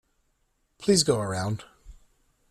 Please go around.